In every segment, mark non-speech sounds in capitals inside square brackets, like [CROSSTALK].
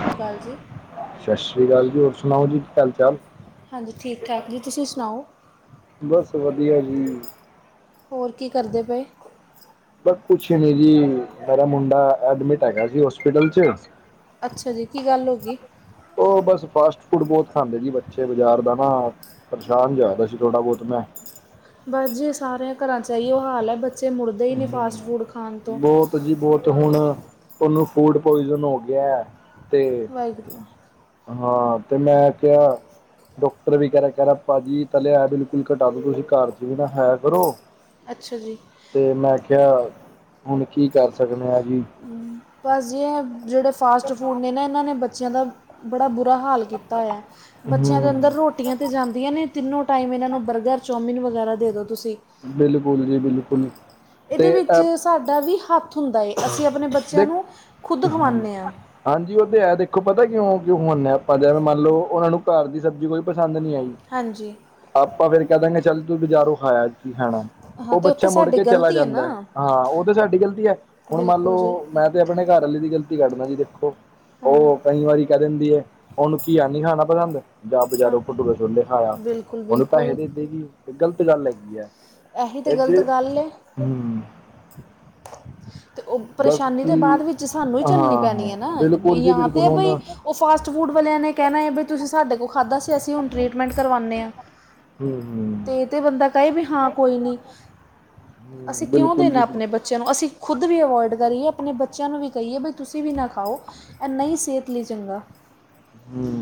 ਸਤਿ ਸ਼੍ਰੀ ਅਕਾਲ ਜੀ ਸਤਿ ਸ੍ਰੀ ਅਕਾਲ ਜੀ ਹੋਰ ਸੁਣਾਓ ਜੀ ਕੀ ਹਾਲ ਚਾਲ ਹਾਂਜੀ ਠੀਕ ਠਾਕ ਜੀ ਤੁਸੀਂ ਸੁਣਾਓ ਬਸ ਵਧੀਆ ਜੀ ਹੋਰ ਕੀ ਕਰਦੇ ਪਏ ਬਸ ਕੁਛ ਹੀ ਨੀ ਜੀ ਮੇਰਾ ਮੁੰਡਾ ਐਡਮਿਟ ਹੈਗਾ ਸੀ ਹੋਸਪਿਟਲ ਚ ਅੱਛਾ ਜੀ ਕੀ ਗੱਲ ਹੋ ਗਈ ਉਹ ਬਸ ਫਾਸਟ ਫੂਡ ਬਹੁਤ ਖਾਂਦੇ ਜੀ ਬੱਚੇ ਬਾਜ਼ਾਰ ਦਾ ਨਾ ਪਰੇਸ਼ਾਨ ਜਾ ਰਿਹਾ ਸੀ ਥੋੜ੍ਹਾ ਬਹੁਤ ਮੈਂ ਬਸ ਜੀ ਸਾਰਿਆਂ ਘਰਾਂ 'ਚ ਹੀਏ ਉਹ ਹਾਲ ਹੈ ਬੱਚੇ ਮੁੜਦੇ ਹੀ ਨੇ ਫਾਸਟ ਫੂਡ ਖਾਣ ਤੋਂ ਬਹੁਤ ਜੀ ਬਹੁਤ ਹੁਣ ਤੁਹਾਨੂੰ ਫੂਡ ਪੁੋਇਜ਼ਨ ਹੋ ਗਿਆ ਹੈ ਤੇ ਵਾਹਿਗੁਰੂ ਹਾਂ ਤੇ ਮੈਂ ਕਿਹਾ ਡਾਕਟਰ ਵੀ ਕਹਿ ਕਹਿ ਭਾਜੀ ਤਾਂ ਲਿਆ ਬਿਲਕੁਲ ਘਟਾ ਦ ਤੁਸੀਂ ਘਰ ਚ ਵੀ ਨਾ ਹੈ ਕਰੋ ਅੱਛਾ ਜੀ ਤੇ ਮੈਂ ਕਿਆ ਹੁਣ ਕੀ ਕਰ ਸਕਦੇ ਹਾਂ ਜੀ ਬਸ ਜ ਜਿਹੜੇ ਫਾਸਟ ਫੂਡ ਨੇ ਨਾ ਇਹਨਾਂ ਨੇ ਬੱਚਿਆਂ ਦਾ ਬੜਾ ਬੁਰਾ ਹਾਲ ਕੀਤਾ ਹੋਆ ਬੱਚਿਆਂ ਦੇ ਹੂੰ ਅੰਦਰ ਰੋਟੀ ਹਟੀਆਂ 'ਤੇ ਜਾਂਦੀਆਂ ਨੇ ਤਿੰਨੋਂ ਟਾਈਮ ਇਹਨਾਂ ਨੂੰ ਬਰਗਰ ਚੌਮਿਨ ਵਗੈਰਾ ਦੇ ਦਿਉ ਤੁਸੀਂ ਬਿਲਕੁਲ ਜੀ ਬਿਲਕੁਲ ਇਹਦੇ ਤੇ ਵਿੱਚ ਅ ਸਾਡਾ ਵੀ ਹੱਥ ਹੁੰਦਾ ਏ ਅਸੀਂ ਆਪਣੇ ਬੱਚਿਆਂ ਦੇਖ ਨੂੰ ਖੁਦ ਖਵਾਉਂਦੇ ਹਾਂ ਹਾਂਜੀ ਉਹ ਤੇ ਹੈ ਦੇਖੋ ਪਤਾ ਕਿਉਂ ਕਿਉਂ ਹੁੰਣਦੇ ਆਪਾਂ ਜਿਵੇਂ ਮੰਨ ਲਓ ਉਹਨਾਂ ਨੂੰ ਘਰ ਦੀ ਸਬਜ਼ੀ ਕੋਈ ਪਸੰਦ ਨਹੀਂ ਆਈ ਹਾਂਜੀ ਆਪਾਂ ਫੇਰ ਕਹਿ ਦਾਂਗੇ ਚੱਲ ਤੂੰ ਬਜ਼ਾਰੋਂ ਖਾਇਆ ਕੀ ਖਾਣਾ ਹਾਂ ਉਹ ਤੇ ਉੱਥੇ ਬੱਚਾ ਮੁੜ ਸਾਡੀ ਕੇ ਚਲਾ ਗਲਤੀ ਹੈ ਜਾਂਦਾ ਨਾ ਹਾਂ ਉਹ ਤਾਂ ਸਾਡੀ ਗ਼ਲਤੀ ਹੈ ਹੁਣ ਮੰਨ ਬਿਲਕੁਲ ਜੀ ਲਓ, ਮੈਂ ਤੇ ਆਪਣੇ ਘਰ ਵਾਲੇ ਦੀ ਗ਼ਲਤੀ ਕਰਢਦਾ ਜੀ ਦੇਖੋ ਹਾਂ ਉਹ ਕਈ ਵਾਰੀ ਕਹਿ ਦਿੰਦੀ ਹੈ। ਉਹਨੂੰ ਘਆ ਨੀ ਖਾਣਾ ਪਸੰਦ ਜਾਂ ਹਾਂ ਬਜਾਰੋਂ ਭਟੂ ੋਲੇ ਖਾਇਆ ਬਿਲਕੁਲ ਉਹਨੂੰ ਪੈਸੇ ਬਿਲਕੁਲ ਦੇ ਇੱਦੇ ਕੀ, ਇਹ ਗਲਤ ਗੱਲ ਹੈਗੀ ਹੈ ਇਹੀ ਤੇ ਇਹ ਗਲਤ ਚ ਗੱਲ ਏ ਹਮ ਉਹ ਬਸ ਪਰੇਸ਼ਾਨੀ ਕਿ ਦੇ ਬਾਅਦ ਵਿੱਚ ਸਾਨੂੰ ਹਾਂ ਚੱਲਣੀ ਪੈਣੀ ਹੈ ਨਾ ਹਾਂ ਬਿਲਕੁਲ ਜੀ ਜਾਂ ਬਿਲਕੁਲ ਤਾਂ ਹੁਣ ਭਈ, ਹੂੰ ਉਹ ਫਾਸਟ ਫੂਡ ਵਾਲਿਆਂ ਨੇ ਕਹਿਣਾ ਹੈ ਵੀ ਤੁਸੀਂ ਸਾਡੇ ਕੋਲ ਖਾਧਾ ਸੀ ਅਸੀਂ ਹੁਣ ਟਰੀਟਮੈਂਟ ਕਰਵਾਉਂਦੇ ਹਾਂ। ਹੂੰ ਤੇ ਤੇ ਬੰਦਾ ਕਹੇ ਵੀ ਹਾਂ ਕੋਈ ਨੀ ਹੂੰ ਅਸੀਂ ਕਿਉਂ ਬਿਲਕੁਲ ਜੀ ਦੇਣਾ ਬਿਲਕੁਲ ਆਪਣੇ ਬੱਚੇ, ਬੱਚਿਆਂ ਨੂੰ ਅਸੀਂ ਖੁਦ ਵੀ ਅਵੋਇਡ ਕਰੀਏ ਆਪਣੇ ਬੱਚਿਆਂ ਨੂੰ ਵੀ ਕਹੀਏ ਵੀ ਤੁਸੀਂ ਵੀ ਨਾ ਖਾਓ, ਇਹ ਨਹੀਂ ਸਿਹਤ ਲਈ ਚੰਗਾ ਹਮ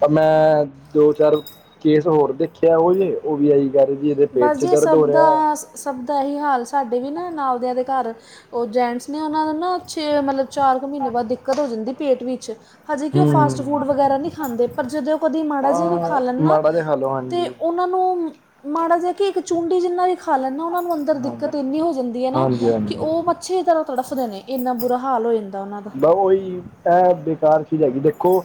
ਤਾਂ ਮੈਂ ਦੋ ਚਾਰ ਕੇਸ ਹੋਰ ਦੇਖਿਆ ਉਹ ਜੇਹੇ ਉਹ ਵੀ ਆਈ ਕਹਿ ਜੀ ਇਹਦੇ ਪੇਟ ਬਸ ਚ ਜੀ ਇਹ ਦਰਦ ਸਭ ਹੋ ਰਿਹਾ ਹੈ, ਦਾ ਸਭ ਦਾ ਹੀ ਹਾਲ ਸਾਡੇ ਵੀ ਨਾ ਨਾਵਦਿਆਂ ਦੇ ਘਰ, ਉਹ ਜੈਂਟਸ ਨੇ ਉਹਨਾਂ ਨੂੰ ਨਾ ਛੇ ਮਤਲਬ ਚਾਰ ਕੁ ਮਹੀਨੇ ਬਾਅਦ ਦਿੱਕਤ ਹੋ ਜਾਂਦੀ ਪੇਟ ਵਿੱਚ ਹਜੇ ਕਿ ਉਹ ਫਾਸਟ ਹੂੰ ਫੂਡ ਵਗੈਰਾ ਨਹੀਂ ਖਾਂਦੇ ਪਰ ਜਦੋਂ ਉਹ ਕਦੇ ਮਾੜਾ ਜਿਹਾ ਵੀ ਖਾ ਹਾਂ ਲੈਣ ਨਾ ਮਾੜਾ ਜਿਹਾ ਖਾ ਲਓ ਤਾਂ ਹਾਂਜੀ ਉਹ ਉਹਨਾਂ ਨੂੰ ਮਾੜਾ ਜਿ ਕੇ ਇੱਕ ਚੁੰਡੀ ਜਿੰਨਾ ਵੀ ਖਾ ਲੈਂਦਾ ਉਹਨਾ ਨੂੰੰ ਦਰ ਧਰ ਹਾਂਜੀ ਦਿੱਕਤ ਇੰਨੀ ਹੋ ਜਾਂਦੀ ਹੈ ਨਾ ਹਾਂਜੀ ਕਿ ਹਾਂਜੀ ਉਹ ਮੱਛਰ ਤਰ ਤੜਫਦੇ ਨੇ ਇੰਨਾ ਬੁਰਾ ਹਾਲ ਹੋ ਜਾਂਦਾ ਉਹਨਾਂ ਦਾ ਉਹੀ ਇਹ ਬੇਕਾਰ ਚੀਜ਼ ਹੈਗੀ ਦੇਖੋ ਦੇਖੋ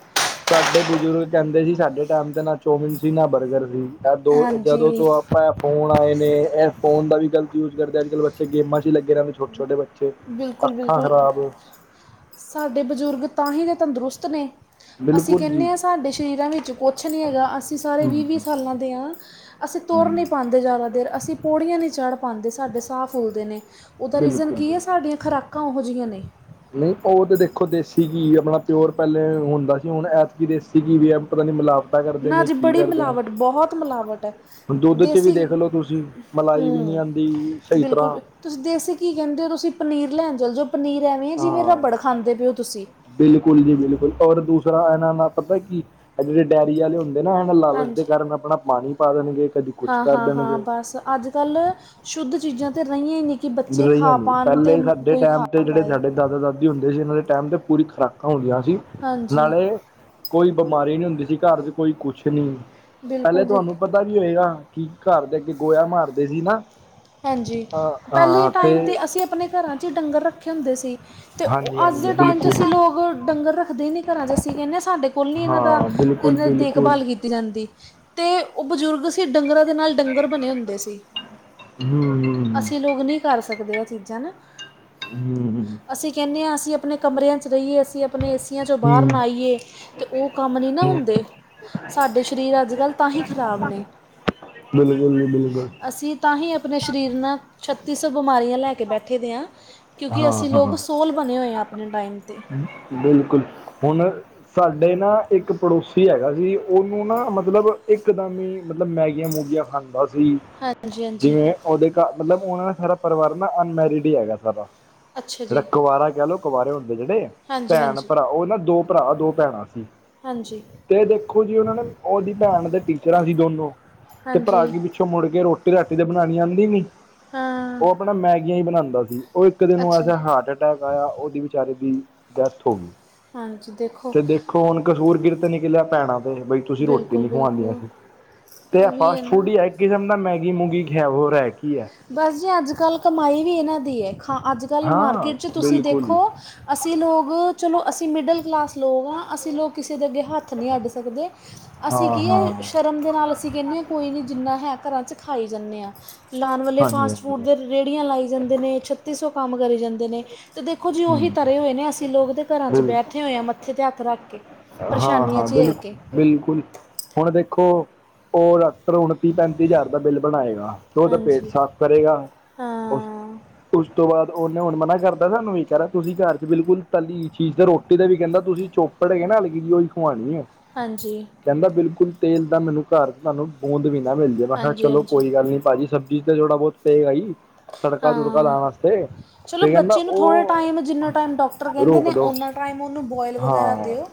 ਸਾਡੇ ਬਜ਼ੁਰਗ ਕਹਿੰਦੇ ਸੀ ਸਾਡੇ ਟਾਈਮ ਤੇ ਨਾ ਚੌਮਿਨ ਸੀ ਨਾ ਬਰਗਰ ਸੀ ਜਦੋ ਜਦੋਂ ਹਾਂਜੀ ਤੋਂ ਆਪਾਂ ਫੋਨ ਆਏ ਨੇ ਇਹ ਫੋਨ ਦਾ ਵੀ਼ਲਤ ਯੂਜ ਕਰਦੇ ਆ ਅੱਜ ਕੱਲ੍ਹ ਬੱਚੇ ਗੇਮਾਂ ਚ ਹੀ ਲੱਗੇ ਰ ਛੋਟੇ ਛੋਟੇ ਬੱਚੇ ਬਿਲਕੁਲ ਅੱਖਾਂ ਬਿਲਕੁਲ ਖ਼ਰਾਬ ਸਾਡੇ ਬਜ਼ੁਰਗ ਤਾਂ ਹੀ ਦੇ ਤੰਦਰੁਸਤ ਨੇ, ਅਸੀਂ ਬਿਲਕੁਲ ਕਹਿੰਦੇ ਜੀ ਹਾਂ ਸਾਡੇ ਸਰੀਰਾਂ ਵਿੱਚ ਕੁਛ ਨਹੀਂ ਹੈਗਾ ਅਸੀਂ ਸਾਰੇ ਵੀਹ ਵੀਹ ਬਿਲਕੁਲ ਸਾਲਾਂ ਦੇ ਹਾਂ। ਅਸੀਂ ਤੁਰ ਨਹੀਂ ਪਾਉਂਦੇ ਜ਼ਿਆਦਾ ਦੇਰ ਅਸੀਂ ਪੌੜੀਆਂ ਨਹੀਂ ਚੜ੍ਹ ਪਾਉਂਦੇ ਸਾਡੇ ਸਾਹ ਫੁੱਲਦੇ ਨੇ, ਉਹਦਾ, ਰੀਜ਼ਨ ਬਿਲਕੁਲ ਕੀ ਹੈ, ਸਾਡੀਆਂ ਖੁਰਾਕਾਂ ਉਹੋ ਜਿਹੀਆਂ ਨੇ, ਨਹੀਂ ਉਹ ਤਾਂ ਦੇਖੋ ਦੇਸੀ ਘੀ ਆਪਣਾ ਪਿਓਰ ਪਹਿਲੇ ਹੁੰਦਾ ਸੀ ਹੁਣ ਐਤਕੀ ਦੇਸੀ ਘੀ ਵੀ ਐ ਪਤਾ ਨਹੀਂ ਮਿਲਾਵ ਪਤਾ ਕਰਦੇ ਨਾ ਨੇ ਜੀ ਕੀ ਬੜੀ ਕਰਦੇ ਨੇ ਮਿਲਾਵਟ ਬਹੁਤ ਮਿਲਾਵਟ ਹੈ ਹੁਣ ਦੁੱਧ ਚ ਵੀ ਦੇਸੀ ਦੇਖਲੋ ਤੁਸੀਂ, ਮਲਾਈ ਵੀ ਨਹੀਂੀ ਹੂੰ ਆਉਂਦੀ ਸਹੀ ਤਰ੍ਹਾਂ, ਬਿਲਕੁਲ ਤੁਸੀਂ ਦੇਸੀ ਘੀ ਕਹਿੰਦੇ ਹੋ ਤੁਸੀਂ ਪਨੀਰ ਲੈਣ ਚੱਲ ਜੋ ਪਨੀਰ ਐਵੇਂ ਜਿਵੇਂ ਹਾਂ ਰਬੜ ਖਾਂਦੇ ਪਏ ਹੋ ਤੁਸੀਂ। ਬਿਲਕੁਲ ਜੀ ਬਿਲਕੁਲ ਔਰ ਦੂਸਰਾ ਇਹਨਾਂ ਦਾ ਪਤਾ ਕੀ ਇਹ ਜਿਹੜੇ ਡਾਇਰੀ ਵਾਲੇ ਹੁੰਦੇ, ਨਾ ਹਨ ਲਾਲਚ ਦੇ ਹਾਂਜੀ ਕਾਰਨ ਆਪਣਾ ਪਾਣੀ ਪਾ ਦੇਣਗੇ ਕਦੀ। ਕੁਛ ਹਾਂ ਕਰ ਹਾਂ ਹਾਂ ਦੇਣਗੇ ਬਸ ਅੱਜ ਕੱਲ੍ਹ ਸ਼ੁੱਧ ਚੀਜ਼ਾਂ ਤਾਂ ਰਹੀੀਆਂ ਹੀ ਨ ਕਿ, ਬੱਚੇ ਰਹੀਆਂ ਖਾ ਨਹੀਂ ਪਾਉਣ, ਅਤੇ ਪਹਿਲੇ ਸਾਡੇ ਕੋਈ ਖਾ ਟਾਈਮ ਤੇ ਜਿਹੜੇ ਪਾਏ ਸਾਡੇ ਦਾਦਾ ਦਾਦੀ ਹੁੰਦੇ ਸੀ। ਇਹਨਾਂ ਦੇ ਟਾਈਮ ਤੇ ਪੂਰੀ ਖੁਰਾਕਾਂ, ਹੁੰਦੀਆਂ ਸੀ। ਹਾਂਜੀ ਨਾਲੇ ਕੋਈ ਬਿਮਾਰੀ, ਨਈ ਹੁੰਦੀ ਸੀ। ਘਰ ਚ, ਕੋਈ ਕੁਛ ਨਈ, ਪਹਿਲੇ ਬਿਲਕੁਲ ਜੀ ਤੁਹਾਨੂੰ ਪਤਾ ਨੀ ਹੋਏ, ਕੀ ਘਰ ਦੇ ਵਿੱਚ ਗੋਇਆ, ਮਾਰਦੇ ਸ। ਨਾ ਹਾਂਜੀ, ਅ ਪਹਿਲੇ ਹਾਂ ਟਾਈਮ ਤੇ, ਅਸੀਂ ਆਪਣੇ ਘਰਾਂ 'ਚ ਡੰਗਰ, ਰੱਖੇ ਹੁੰਦੇ ਸੀ। ਅਤੇ, ਹਾਂਜੀ ਅੱਜ ਹਾਂਜੀ ਦੇ ਟਾਈਮ, ਬਿਲਕੁਲ ਅਸੀਂ ਲੋਕ ਡੰਗਰ ਰੱਖਦੇ ਹੀ ਨਹੀਂ ਘਰਾ ਚ, ਅਸੀਂ ਕਹਿਣੇ ਹਾਂ ਸਾਡੇ ਕੋਈ ਨਈ, ਇਹਨਾਂ ਦਾ, ਹਾਂ ਬਿਲਕੁਲ ਇਹਨਾਂ ਦੀ ਬਿਲਕੁਲ ਦੇਖਭਾਲ ਕੀਤੀ। ਕੀਤੀ ਜਾਂਦੀ ਤੇ, ਉਹ ਬਜ਼ੁਰਗ ਸੀ। ਡੰਗਰਾਂ ਦੇ ਨਾਲ ਡੰਗਰ ਬਣੇ ਹੁੰਦੇ ਸੀ। ਹੂ ਅਸੀਂ ਲੋਕ, ਨਹੀਂ ਕਰ ਸਕਦੇ ਇਹ ਚੀਜ਼ਾਂ ਨਾ? ਹੁੰ ਹੁ ਅਸੀਂ ਕਹਿੰਣੇ ਹਾਂ, ਅਸੀਂ ਆਪਣੇ ਕਮਰਿਆਂ 'ਚ ਰਹੀਏ। ਅਸੀਂ ਆਪਣੇ ਏ ਸੀ ਆਂ, ਚੋਂ ਬਾਹਰ ਹੂੰ ਨ ਆਈਏ, ਤੇ ਉਹ ਕੰਮ ਨਈ ਨਾ ਹੂੰ ਹੁੰਦੇ ਸਾਡੇ ਸਰੀਰ, ਅੱਜ ਕੱਲ੍ਹ ਤਾਂ ਹੀ, ਖ਼ਰਾਬ ਨੇ ਬਿਲਕੁਲ, ਜੀ ਬਿਲਕੁਲ। ਅਸੀਂ ਤਾਂ ਹੀ, ਆਪਣੇ ਸਰੀਰ ਨਾਲ ਛੱਤੀ ਸੌ ਬਿਮਾਰੀਆਂ, ਲੈ ਕੇ ਬੈਠੇ ਦੇ ਹਾਂ। ਕਿਉਂਕਿ, ਅਸੀਂ ਹਾਂ ਹਾਂ ਲੋਕ ਸੋਲ ਬਣੇ ਹੋਏ ਹਾਂ, ਆਪਣੇ ਟਾਈਮ 'ਚ ਬਿਲਕੁਲ, ਹੁਣ ਸਾਡੇ ਨਾ, ਇੱਕ ਪੜੋਸੀ ਹੈਗਾ ਸੀ। ਉਹਨੂੰ ਨਾ ਮਤਲਬ ਇੱਕਦਮ ਹੀ, ਮਤਲਬ ਮੈਗੀਆਂ ਮੂਗੀਆਂ ਹੱਸਦਾ ਸੀ। ਹਾਂਜੀ ਹਾਂਜੀ ਜਿਵੇਂ ਉਹਦੇ ਘਰ, ਮਤਲਬ ਉਹਨਾਂ ਨੇ ਸਾਰਾ ਪਰਿਵਾਰ, ਨਾ ਅਨਮੈਰਿਡ ਹੀ ਹੈਗਾ, ਸਾਰਾ। ਅੱਛਾ ਜਿਹੜਾ ਜੀ ਕੁਵਾਰਾ, ਕਹਿ ਲ ਲੋ ਕੁਵਰੇ, ਹੁੰਦੇ ਜਿਹੜੇ ਹਾਂਜੀ ਭੈਣ ਹਾਂਜੀ ਭਰਾ, ਉਹ ਨਾ ਦੋ ਭਰਾ ਦੋ ਭੈਣਾਂ ਸੀ। ਹਾਂਜੀ। ਏ ਦੇਖੋ ਜੀ ਉਹਨਾਂ ਨੂੰ ਉਹਦੀ ਭੈਣਾ, ਤੇ ਟੀਚਰਾਂ ਸੀ ਦੋਨੋ। ਤੇ ਭਰਾ ਹਾਂਜੀ ਕੀ, ਪਿੱਛੋਂ ਮੁੜ ਕੇ ਰੋਟੀ ਰਾਟੀ ਤੇ ਬਣਾਉਣੀ ਆਉਂਦੀ ਨੀ, ਹਾਂ ਉਹ ਬੜਾ, ਮੈਗੀਆਂ ਹੀ ਬਣਾਉਂਦਾ ਸੀ। ਉਹ ਇੱਕ ਦਿਨ ਅੱਛਾ ਜੀ ਐਸਾ, ਹਾਰਟ ਅਟੈਕ ਆਇਆ, ਉਹਦੀ ਵਿਚਚਾਰੇ ਦੀ। ਡੈਥ ਹੋ ਗਈ ਹਾਂਜੀ ਦੇਖੋ ਤੁਸੀਂ ਰੋਟੀ, ਬਿਲਕੁਲ ਨਹੀਂ ਖਵਾਉਂਦੀਆਂ ਬਿਲਕੁਲ ਸੀਂ। ਤੇ ਇਹ ਫਾਸਟ ਫੂਡ ਹੀ ਹੈ। ਕਿਸਮ ਦਾ, ਮੈਗੀ ਮੂਗੀ ਖ ਹੋਰ ਰਹਿ ਕੀ ਹੈ, ਬਸ ਜੀ, ਅੱਜ ਕੱਲ੍ਹ ਕਮਾਈ ਵੀ ਇਹਨਾਂ ਦੀ ਹੈ, ਖਾ ਅੱਜ ਕੱਲ੍ਹ ਹਾਂ ਮਾਰਕੀਟ 'ਚ ਤੁਸੀਂ ਬਿਲਕੁਲ ਦੇਖੋ। ਹੀ ਅਸੀਂ ਲੋਕ ਚਲੋ, ਅਸੀਂ ਮਿਡਲ ਕਲਾਸ ਲੋਕ ਹਾਂ, ਅਸੀਂ ਲੋਕ ਕਿਸੇ ਦੇ ਅੱਗੇ ਹੱਥ ਅਸੀਂ, ਨਈ ਅੱਡ ਸਕਦੇ, ਅਸੀਂ ਹਾਂ ਕੀ ਆ ਹਾਂ ਸ਼ਰਮ ਦੇ ਨਾਲ, ਅਸੀਂ ਕਹਿੰਦੇ ਹਾਂ ਕੋਈ ਨਹੀਂ ਜਿੰਨਾ ਹੈ ਘਰਾਂ 'ਚ, ਖਾਈ ਜਾਂਦੇ ਹਾਂ। ਲਾਉਣ ਵਾਲੇ ਹਾਂਜੀ ਫਾਸਟ ਫੂਡ ਹਾਂਜੀ ਦੇ ਰੇਹੜੀਆਂ, ਲਾਈ ਜਾਂਦੇ ਨੇ, ਛੱਤੀ ਸੌ ਕੰਮ ਕਰੀ ਜਾਂਦੇ ਨੇ, ਅਤੇ ਦੇਖੋ ਜੀ, ਉਹੀ ਤੇ ਹੋਏ ਹਮ ਤਰੇ ਹੋਏ ਨੇ, ਅਸੀਂ ਲੋਕ ਤਾਂ ਘਰਾਂ 'ਚ ਬੈਠੇ ਹੋਏ ਹਾਂ, ਮੱਥੇ 'ਤੇ ਹੱਥ ਰੱਖ ਕੇ। ਪਰੇਸ਼ਾਨੀਆਂ ਹਾਂ--ਹਾਂ ਝੇਲ ਬਿਲਕੁਲ ਕੇ -ਬਿਲਕੁਲ ਹੁਣ ਦੇਖੋ ਓ ਹੁਣ, ਤੀਹ ਪੈਂਤੀ ਹਜ਼ਾਰ ਦਾ ਬਿੱਲ ਬਣਾਏਗਾ, ਤੇ ਉਹਦਾ ਪੇਟ ਹਾਂਜੀ ਸਾਫ਼ ਕਰੇਗਾ। ਉਸ ਹਾਂ ਉਸ ਤੋਂ ਬਾਅਦ, ਉਹਨੇ ਹੁਣ ਮਨਾ ਕਰਤਾ ਸਾਨੂੰ ਵੀ ਕਹਿਦਾ ਤੁਸੀਂ ਘਰ ਚ, ਬਿਲਕੁਲ ਤੱਲੀ ਚੀਜ਼ ਤੇ ਰੋਟੀ ਦਾ ਵੀ ਕਹਿੰਦਾ ਤੁਸੀਂ ਚੁਪ ਪੜ ਗਈ ਏ ਨਾ, ਇਹਓ ਈ ਖਵਾਣੀ ਏ ਹਾਂਜੀ। ਕਹਿੰਦਾ ਬਿਲਕੁਲ ਤੇਲ ਦਾ ਮੈਨੂੰ ਘਰ ਤੁਹਾਨੂੰ ਬੂੰਦ ਵੀ ਨਾ ਮਿਲ ਜਾਵੇ ਮੈਂ ਕਿਹਾ ਹਾਂਜੀ ਚਲੋ ਹਾਂਜੀ ਕੋਈ ਗੱਲ ਨੀ ਭਾਜੀ ਸ ਤੇ ਥੋੜਾ ਬਹੁਤ ਤੇ ਹੈ ਏ, ਤੜਕਾ ਤੁੜਕਾ ਹਾਂ ਲਾਉਣ ਵਾਸਤੇ ਚਲੋ, ਤੇ ਬੱਚੇ ਕਹਿੰਦਾ ਨੂੰ ਥੋੜ੍ਹੇ ਉਹ ਟਾਈਮ ਜਿੰਨਾ ਟਾਈਮ ਡਾਕਟਰ ਕਹਿੰਦੇ ਰੋਕ ਨੇ, ਦੋ ਉਹਨਾਂ ਟਾਈਮ ਉਹਨੂੰ ਬੋਇਲ ਵਗੈਰਾ, ਹਾਂ ਦਿਓ।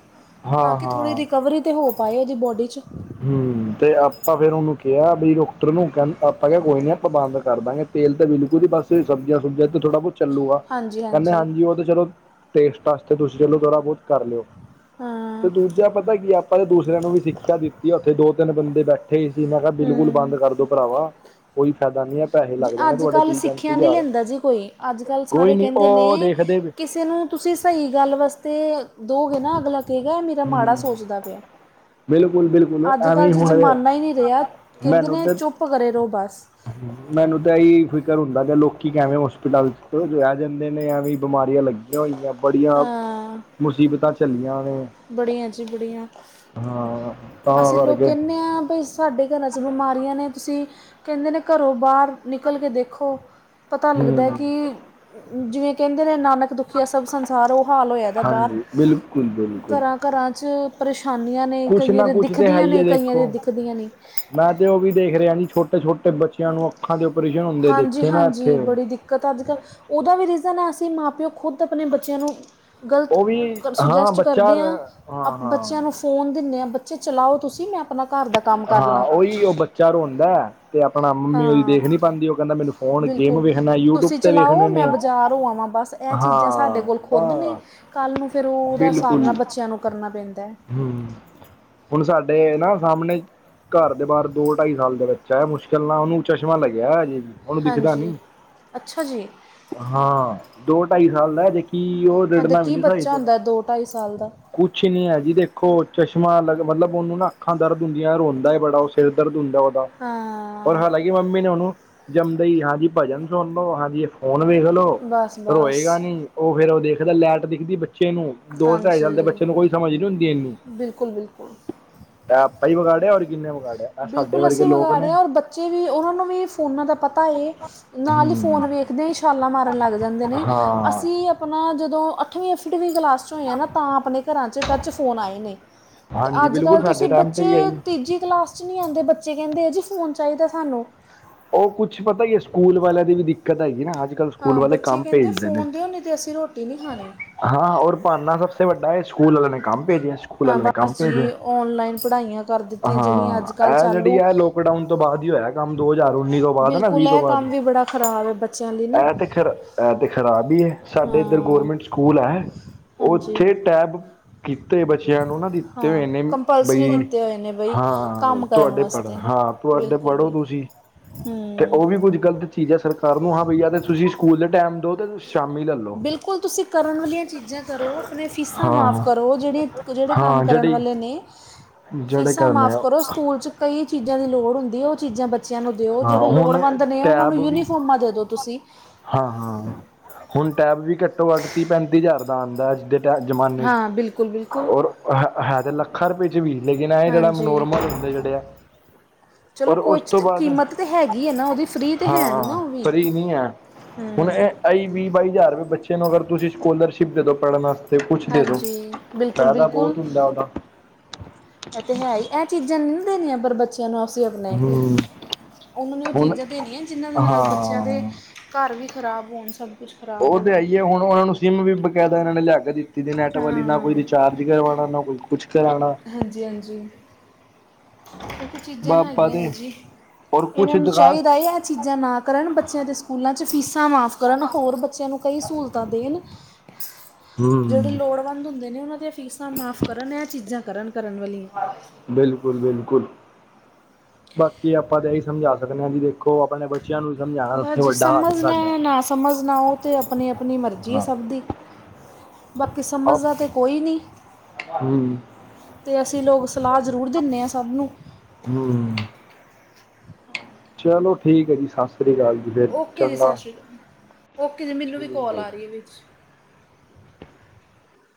ਤਾਂ ਹਾਂ ਕਿ, ਥੋੜ੍ਹੀ ਹਾਂ ਰਿਕਵਰੀ ਤੇ, ਹੋ ਪਾਏ ਉਹਦੀ ਬੋਡੀ ਚ। ਹੁੰ, ਤੇ ਆਪਾਂ ਫੇਰ, ਉਹਨੂੰ ਕਿਹਾ ਬਈ ਡਾਕਟਰ ਨੂੰ ਆਪਾਂ, ਕਹਾ ਕੋਈ ਨੀ ਆਪਾਂ ਬੰਦ ਕਰਦਾਂ ਗੇ। ਤੇਲ ਤਾਂ, ਬਿਲਕੁਲ ਹੀ ਬੰਦ, ਸਬਜ਼ੀਆਂ--ਸੁਬਜ਼ੀਆਂ ਤੇ ਥੋੜਾ ਬਹੁਤ ਚੱਲੂਗਾ, ਕਹਿੰਦੇ ਹਾਂਜੀ, ਉਹ ਤਾਂ ਚਲੋ ਟੇਸਟ ਵਾਸਤੇ ਤੁਸੀਂ ਚਲੋ, ਥੋੜ੍ਹਾ ਬਹੁਤ ਕਰ ਲਿਓ? ਤੇ ਹਾਂ ਦੂਜਾ ਪਤਾ, ਕੀ ਆਪਾਂ ਏ ਸੀ, ਮੈਂ ਕਿਹਾ, ਬਿਲਕੁਲ ਹੂੰ ਬੰਦ ਕਰਦੋ ਭਰਾਵਾ। ਕੋਈ ਫਾਇਦਾ ਨੀ ਹੈ ਪੈਸੇ ਜੀ ਲੱਗ ਜਾਣੇ ਅੱਜ ਤੁਹਾਡੇ ਕੱਲ੍ਹ ਤੀਹ ਪੈਂਤੀ ਸਿੱਖਿਆ ਨਹੀਂ ਹਜ਼ਾਰ, ਲੈਂਦਾ ਜੀ ਕੋਈ ਅੱਜ ਕੱਲ੍ਹ ਕੋਈ ਸਾਰੇ ਨੀ ਕਹਿੰਦੇ ਉਹ ਨੇ ਦੇਖਦੇ ਵੀ। ਕਿਸੇ ਨੂੰ ਤੁਸੀਂ ਸਹੀ ਗੱਲ ਵਾਸਤੇ ਦੋਗੇ ਨਾ ਅਗਲਾ ਗਾ ਹੈ ਮੇਰਾ ਮਾੜਾ ਸੋਚਦਾ ਪਿਆ। ਬਿਲਕੁਲ ਬਿਲਕੁਲ ਅੱਜ ਐਵੇਂ ਕੱਲ੍ਹ ਜੀ ਹੁਣ ਜ਼ਮਾਨਾ ਹੀ ਨਹੀਂ ਰਿਹਾ ਕਹਿੰਦੇ ਮੈਨੂੰ ਨੇ ਤੇ ਚੁੱਪ ਕਰੇ ਰਹੋ, ਬਸ। ਮੈਨੂੰ ਤਾਂ ਇਹੀ ਫਿਕਰ ਹੁੰਦਾ ਕਿ ਲੋਕੀ ਕਿਵੇਂ ਹੋਸਪਿਟਲ ਚ ਰਹਿ ਜਾਂਦੇ ਨੇ ਐਵੇਂ ਬਿਮਾਰੀਆਂ ਲੱਗੀਆਂ। ਹੋਆਂ ਬੜੀਆਂ ਹਾਂ ਮੁਸੀਬਤਾਂ ਚੱਲੀਆਂ ਨੇ। ਬੜੀਆਂ ਜੀ ਬੜੀਆਂ, ਹਾਂ ਤਾਂ ਅਸੀਂ ਲੋਕ ਕਰਕੇ ਕਹਿੰਦੇ ਹਾਂ ਭ ਸਾਡੇ ਘਰਾਂ 'ਚ ਬਿਮਾਰੀਆਂ ਨੇ ਤੁਸੀਂ ਕਹਿੰਦੇ ਨੇ ਘਰੋਂ ਬਾਹਰ ਨਿਕਲ ਕੇ ਦੇਖੋ ਪਤਾ ਲੱਗਦਾ ਹੂੰ ਕਿ ਜਿਵੇਂ ਕਹਿੰਦੇ ਨੇ ਨਾਨਕ ਇੱਕ ਦੁਖੀ ਸਭ ਸੰਸਾਰ ਉਹ ਹਾਲ ਹੋਇਆ ਦਾ ਬਾਹਰ। ਹਾਂਜੀ ਬਿਲਕੁਲ- ਬਿਲਕੁਲ। ਘਰਾਂ ਘਰਾਂ 'ਚ ਪਰੇਸ਼ਾਨੀਆਂ ਨੇ ਕੁਛ ਕਈਆਂ ਨਾ ਦੇਆਂ ਕੁਛ ਤੇ ਹੈ ਦਿਖਦੀਆਂ ਹੀ ਨੇ, ਹੈ ਕਈਆਂ ਦੇ ਦੇਖੋ ਦਿਖਦੀਆਂ ਨਹੀਂ। ਮੈਂ ਤੇ ਉਹ ਵੀ ਦੇਖ ਰਿਹਾ ਜੀ ਛੋਟੇ ਛੋਟੇ ਬੱਚਿਆਂ ਨੂੰ ਅੱਖਾਂ ਦੇ ਉਪਰੇਸ਼ਨ ਹੁੰਦੇ ਹਾਂਜੀ ਦੇਖੇ ਨਾ ਇੱਥੇ। ਹਾਂਜੀ ਬੜੀ ਦਿੱਕਤ ਅਜਕ ਉਹਦਾ ਵੀ ਰੀਜ਼ਨ ਹੈ ਅਸੀਂ ਮਾਂ ਪਿਓ ਖੁਦ ਆਪਣੇ ਬੱਚਿਆਂ ਨੂੰ ਗਲਤ ਉਹ ਵੀ ਕ ਹਾਂ ਸੁਜੈਸਟ ਬੱਚਾ ਕਰਦੇ ਹਾਂ ਅ ਹਾਂ ਬੱਚਿਆਂ ਹਾਂ ਨੂੰ ਫੋਨ ਦਿੰਦੇ ਆਾਂ ਬੱਚੇ ਚਲਾਓ ਤੁਸੀਂ, ਮੈਂ ਆਪਣੇ ਘਰ ਦਾ ਕੰਮ ਕਰ ਲਾਂ। ਚਾਰ ਹੁੰਦਾ। ਤੇ ਆਪਣਾ ਮੰਮੀ ਉਹਦੀ ਹਾਂ ਦੇਖ ਨੀ ਪਾਉਂਦੀ ਉਹ ਕਹਿੰਦਾ, ਮੈਨੂੰ ਫੋਨ ਗੇਮ ਬਿਲਕੁਲ ਵੇਖਣਾ, ਯੂਟਿਊਬ ਤੁਸੀਂ ਤੇ ਚਲਾਓ ਵੇਖਦੇ ਨੇ। ਮੈਂ ਬਾਜ਼ਾਰੋਂ ਆਵਾਂ ਬਸ ਇਹ ਚੀਜ਼ਾਂ ਸਾਡੇ ਹਾਂ ਕੋਲ ਬ ਖੁਦ ਨੇ, ਕੱਲ੍ਹ ਨੂੰ ਫਿਰ ਉਹਦਾ ਬਿਲਕੁਲ ਸਾਹਮਣਾ ਬੱਚਿਆਂ ਨੂੰ ਕਰਨਾ ਪੈਂਦਾ। ਹਮ, ਹੁਣ ਸਾਡੇ ਨਾ ਸਾਹਮਣੇ ਘਰ ਦੇ ਬਾਹਰ ਦੋ ਢਾਈ ਸਾਲ ਦਾ ਬੱਚਾ ਹੈ, ਮੁਸ਼ਕਿਲ ਨਾਲ ਉਹਨੂੰ ਚਸ਼ਮਾ ਲੱਗਿਆ ਅਜੇ ਵੀ ਉਹਨੂੰ ਦਿਖਦਾ ਹਾਂਜੀ ਨੀ, ਅੱਛਾ ਜੀ ਹਾਂ ਦੋ ਢਾਈ ਸਾਲ ਦਾ ਜੇਕੀ ਉਹ ਹਾਂ, ਤੇ ਰਿੜਨਾ ਵੀ ਕੀ ਨੀ ਸਹੀ ਬੱਚਾ ਤਰ੍ਹਾਂ ਹੁੰਦਾ ਦੋ ਢਾਈ ਸਾਲ ਦਾ। ਕੁਛ ਨੀ ਹੈਜ ਜੀ ਦੇਖੋ ਚਸ਼ਮਾ ਮਤਲਬ ਉਹਨੂੰ ਨਾ ਅੱਖਾਂ ਦਰਦ ਹੁੰਦੀਆਂ, ਰੋਂਦਾਏ ਬੜਾ, ਉਹ ਸਿਰ ਦਰਦ ਹੁੰਦਾ ਉਹਦਾ। ਔਰ ਹਾਂ। ਹਾਲਾਂਕਿ ਮੰਮੀ ਨੇ ਉਹਨੂੰ ਜੰਮਦੇ ਈ ਹਾਂਜੀ ਭਜਨ ਸੁਣ ਲਓ, ਹਾਂਜੀ ਇਹ ਫੋਨ ਵੇਖ ਲ ੋ ਬਸ ਸਰੋ ਬਸ ਹੋਏਗਾ ਨਹੀਂ। [UNINTELLIGIBLE] ਉਹ ਫੇਰ ਉਹ ਦੇਖਦਾ ਲੈਟ ਦਿਖਦੀ ਬੱਚੇ ਨੂੰ, ਦੋ- ਢਾਈ ਸਾਲ ਦੇ ਹਾਂਜੀ ਬੱਚੇ ਨੂੰ ਕੋਈ ਸਮਝ ਨਹੀਂ। ਬਿਲਕੁਲ -ਬਿਲਕੁਲ। ਇਹ ਆਪਾਂ ਹੀ ਵਿਗਾੜਿਆ ਔਰ ਕਿੰਨੇ ਵਿਗਾੜਿਆ ਇਹ ਸਾਡੇ ਬਿਲਕੁਲ, ਵਰਗੇ ਅਸੀਂ ਲੋਕ ਨੇ ਵਿਗਾੜੇ ਹ ਔਰ ਬੱਚੇ ਵੀ ਉਹਨਾਂ ਨੂੰ ਵੀ ਫੋਨਾਂ ਦਾ ਪਤਾ ਹੈ, ਨਾਲ ਹੀ ਹਮ ਫੋਨ ਵੇਖਦੇ ਹੀ ਛਾਲਾਂ ਮਾਰਨ ਲੱਗ ਜਾਂਦੇ ਨੇ, ਹਾਂ ਅਸੀਂ ਆਪਣਾ ਜਦੋਂ ਅੱਠਵੀਂ- ਅੱੱਠਵੀਂ ਕਲਾਸ 'ਚ ਹੋਏ ਆ ਨਾ ਤਾਂ ਆਪਣੇ ਘਰਾਂ 'ਚ ਟੱਚ ਫੋਨ ਆਏ ਨੇ। ਤੇ ਹਾਂਜੀ ਅੱਜ ਕੱਲ ਬਿਲਕੁਲ ਸਾਡੇ ਤੁਸੀਂ ਟਾਈਮ ਤੇ ਵੀ ਬੱਚੇ ਆਈ ਤੀਜੀ ਕਲਾਸ ਬੱਚ ਨਹੀਂ ਆਂਦੇ ਬੱਚੇ ਕਹਿੰਦੇ ਜੀ ਫੋਨ ਚਾਹੀਦਾ ਸਾਨੂੰ ਉਹ ਕੁੱਛ ਪਤਾ ਹੀ ਹੈ ਸਕੂਲ ਵਾਲਿਆਂ ਦੀ ਵੀ ਦਿੱਕਤ ਹੈਗੀ ਨਾ, ਅੱਜ ਕੱਲ੍ਹ ਸਕੂਲ ਹਾਂ ਵਾਲੇ ਬੱਚੇ ਕੰਮ ਕਹਿੰਦੇ ਭੇਜਦੇ ਨੇ ਫੋਨ ਦਿੳ ਨਹੀਂ ਤਾਂ ਅਸੀਂ ਰੋਟੀ ਨਹੀਂ ਖਾਣੀ। ਹਾਂ ਹੋਰ ਭਾਨਾ ਸਭਸੇ ਵੱਡਾ ਹੈ, ਸਕੂਲ ਵਾਲਿਆਂ ਨੇ ਕੰਮ ਭੇਜਿਆ। ਸਕੂਲ ਹਾਂ ਵਾਲਿਆ ਨੇ ਕੰਮ ਬਸ ਭੇਜਿਆ, ਜੀ ਆਨਲਾਈਨ ਪੜ੍ਹਾਈਆਂ ਕਰ ਦਿੱਤੀਆਂ ਜਿਹੜੀਆਂ ਅੱਜ ਹਾਂ ਕੱਲ ਇਹ ਜਿਹੜੀ ਚਾਲੂ ਹੈ ਲੋਕ ਲੋਕਡਾਊਨ ਤੋਂ ਬਾਅਦ ਹੀ ਹੋਇਆ ਕੰਮ ਦੋ ਹਜ਼ਾਰ ਉੱਨੀ ਤੋਂ ਬਾਅਦ ਨਾ ਬਿਲਕੁਲ ਵੀਹ ਤੋਂ ਇਹ ਬਾਅਦ ਕੰਮ ਵੀ ਬੜਾ ਖਰਾਬ ਹੈ ਬੱਚਿਆਂ ਲਈ ਨਾ ਇਹ ਤੇ ਖਰਾ ਇਹ ਤੇ ਖਰਾਬ ਈ ਐ। ਸਾਡੇ ਇੱਧਰ ਗੌਰਮੈਂਟ ਸਕੂਲ ਐ। ਹਾਂ। ਹਾਂਜੀ ਉੱਥੇ ਟੈਬ ਕੀਤੇ ਬੱਚਿਆਂ ਨੂੰ ਨਾ ਦਿੱਤੇ ਹਾਂ ਹੋਏ ਨੇੇ ਕੰਪਲਸਰੀ ਬਈ ਦਿੱਤੇ ਹੋਏ ਨੇ ਬਈ ਹਾਂ, ਕੰਮ ਕਰਨ ਤੁਹਾਡੇ ਪੜ੍ਹ ਵਾਸਤੇ ਹਾਂ ਤੁਹਾਡੇ ਬਿਲਕੁਲ ਪੜ੍ਹੋ ਬਿਲਕੁਲ ਤੁਸੀਂ। ਤੇ ਹੂੰ ਉਹ ਵੀ ਕੁੱਝ ਗ਼ਲਤ ਚੀਜ਼ ਹੈ ਸਰਕਾਰ ਨੂੰ, ਹਾਂ ਬਈ ਤੇ ਤੁਸੀਂ ਸਕੂਲ ਦੇ ਟਾਈਮ ਦਿਓ ਤੇਂ ਸ਼ਾਮੀ ਲੈ ਲਓ। ਬਿਲਕੁਲ ਤੁਸੀਂ ਕਰਨ ਵਾਲੀਆਂ ਚੀਜ਼ਾਂ ਕਰੋ, ਆਪਣੇ ਫੀਸਾਂ ਮਾਫ਼ ਹਾਂ ਕਰੋ, ਜਿਹੜੇ ਜਿਹੜੇ ਕੰਮ ਕਰਨ ਵਾਲੇ ਨੇ। ਹ ਫੀਸਾਂ ਮਾਫ਼ ਕਰੋ ਸਕੂਲ ਚ ਕਈ ਚੀਜ਼ਾਂ ਦੀ ਲੋੜ ਹੁੰਦੀ ਹੈ ਉਹ ਚੀਜ਼ਾਂ ਬੱਚ ਬੱਚਿਆਂ ਨੂੰ ਦਿਓ ਹਾਂ ਜਿਹੜੇ ਹੁਣ ਲੋੜਵੰਦ ਨੇ ਉਹਨਾਂ ਨੂੰ ਯੂਨੀਫੋਰਮਾਂ ਦੇ ਦੋ ਤੁਸੀਂ ਹਾਂ-ਹਾਂ, ਹੁਣ ਟੈਬ ਵੀ ਘੱਟੋ ਘੱਟ ਤੀਹ ਪੈਂਤੀ ਹਜ਼ਾਰ ਦਾ ਆਂਦਾ ਅੱਜ ਦੇ ਜਮਾਨੇ। ਹਾਂ, ਬਿਲਕੁਲ- ਬਿਲਕੁਲ ਔਰ ਹੈ ਤੇ ਲੱਖਾਂ ਰੁਪਏ ਚ ਵੀ ਲੇਕਿਨ ਐ ਜਿਹੜਾ ਹਾਂਜੀ ਨੋਰਮਲ ਹੁੰਦੇ ਜਿਹੜੇ ਆ। ਚਲੋ ਔਰ ਕੋਈ ਉਸ ਤੋਂ ਚ- ਬਾਅਦ ਕੀਮਤ ਤੇ ਹੈਗੀ ਹੈ ਨਾ ਉਹਦੀ ਫ੍ਰੀ ਤੇ ਹੈ ਨਹੀਂ ਨਾ ਹਾਂ, ਉਹ ਵੀ ਫਰੀ ਨੀ ਐ ਹੁਣ ਹੂੰ ਐ ਐਈ ਵੀਹ ਬਾਈ ਹਜ਼ਾਰ ਰੁਪਏ ਬੱਚੇ ਨੂੰ ਅਗਰ ਤੁਸੀਂ ਸਕੋਲਰਸ਼ਿਪ ਦੇ ਦੋ ਪੜ੍ਹਨ ਵਾਸਤੇ ਤੇ ਕੁੱਛ ਦੇ ਦੋ ਹਾਂਜੀ ਬਿਲਕੁਲ ਫਾਇਦਾ ਬਿਲਕੁਲ ਬਹੁਤ ਹੁੰਦਾ ਓਦਾ ਇਹ ਤੇ ਹੈਈ ਇਹ ਚੀਜ਼ਾਂ ਨੀ ਨਾ ਦੇਣੀਆਂ ਪਰ ਬੱਚੇ ਬੱਚਿਆਂ ਨੂੰ ਅਸੀਂ ਆਪਣੇ ਹਮ ਉਹਨਾਂ ਨੇ ਉਹ ਹੁਣ ਚੀਜ਼ਾਂ ਦੇਣੀਆਂ ਜਿਹਨਾਂ ਦੇ ਨਾਲ ਬੱਚਿਆਂ ਦੇ। ਹਾਂ ਘਰ ਵੀ ਖ਼ਰਾਬ ਹੋਣ ਕੁਝ ਖਰਾਬ ਉਹ ਤੇ ਹੋਵੇ ਆਈਏ ਹੁਣ ਉਹਨਾਂ ਨੂੰ ਸਿਮ ਵੀ ਬਕਾਇਦਾ ਓਹਨਾਂ ਨੇ ਲਿਆ ਕੇ ਦਿੱਤੀ। ਨੈੱਟ ਵਾਲੀ ਨਾ ਕੋਈ ਹਾਂ ਰਿਚਾਰਜ ਕਰਵਾਣਾ ਨਾ ਕੋਈ ਕੁਛ ਕਰਾਣਾ। ਹਾਂਜੀ-ਹਾਂਜੀ, ਇੱਕ ਚੀਜ਼ਾਂ ਬਾਪਾ ਹੈਗੀਆਂ ਦੇ ਨੇ ਜੀ ਔਰ ਕੁਛ ਇਹਨਾਂ ਨੂੰ ਦੁਕਾਨ ਚਾਹੀਦਾ ਆ ਚੀਜ਼ਾਂ ਨਾ। ਕਰਨ ਬੱਚਿਆਂ ਦੇ ਸਕੂਲਾਂ 'ਚ ਫੀਸਾਂ ਮਾਫ਼ ਕਰਨ ਹੋਰ ਬੱਚਿਆਂ ਨੂੰ ਕਈ ਸਹੂਲਤਾਂ ਦੇਣ। ਜਿਹੜੇ ਹੂੰ ਲੋੜਵੰਦ ਹੁੰਦੇ ਨੇ ਉਹਨਾਂ ਦੀਆਂ ਫੀਸਾਂ ਮਾਫ਼ ਕਰਨ ਇਹ ਚੀਜ਼ਾਂ ਕਰਨ ਕਰਨ ਵਾਲੀਆਂ। ਬਿਲਕੁਲ-ਬਿਲਕੁਲ, ਬਾਕੀ ਆਪਾਂ ਤਾਂ ਇਹੀ ਸਮਝਾ ਸਕਦੇ ਆ ਵੀ ਦੇ ਖੋ ਆਪਣੇ ਬੱਚਿਆਂ ਨੂੰ ਸਮਝਾਣਾ ਬਸ [UNINTELLIGIBLE] ਜੇ ਵੱਡਾ ਹੱਥ ਸਮਝਣਾ ਤੁਹਾਡਾ ਹੈ, ਨਾ ਸਮਝਣਾ ਓਹੇ ਤਾਂ ਆਪਣੀ ਆਪਣੀ ਮਰਜ਼ੀ ਐ ਹਾਂ ਸਭ ਦੀ। ਬਾਕੀ ਸਮਝਦਾ ਤਾਂ ਕੋਈ ਨੀ। ਹੂੰ ਤੇ ਅਸੀਂ ਲੋਕ ਸਲਾਹ ਜ਼ਰੂਰ ਦਿਨੇ ਆ ਸਭ ਨੂੰ ਹੂੰ, ਚਲੋ ਠੀਕ ਐ ਜੀ ਸਤਿ ਸ੍ਰੀ ਅਕਾਲ ਜੀ। ਫਿਰ ਓਕੇ ਜੀ ਸਤਿ ਚੰਗਾ ਸ਼੍ਰੀ ਅਕਾਲ, ਓਕੇ ਜੀ ਮੈਨੂੰ ਵੀ ਠੀਕ ਕੋਲ ਹੈ ਜੀ ਆ ਰਹੀ ਆ ਵਿੱਚ।